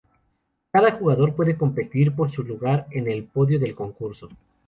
Cada jugador puede competir por su lugar en el podio del concurso.